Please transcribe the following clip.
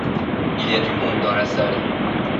il y a du monde dans la salle.